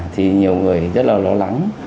thì nhiều người rất là lo lắng